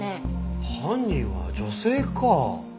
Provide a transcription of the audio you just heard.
犯人は女性か。